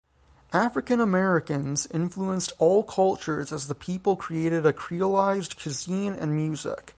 African Americans influenced all cultures as the people created a creolized cuisine and music.